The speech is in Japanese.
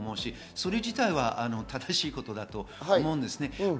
それ自体は正しいことだと思います。